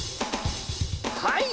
はい！